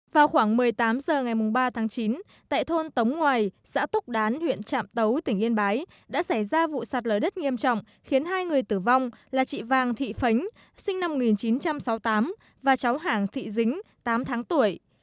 vào khoảng một mươi tám h ngày ba tháng chín tại thôn tống ngoài xã túc đán huyện trạm tấu tỉnh yên bái đã xảy ra vụ sạt lở đất nghiêm trọng khiến hai người tử vong là chị vàng thị phánh sinh năm một nghìn chín trăm sáu mươi tám và cháu hàng thị dính tám tháng tuổi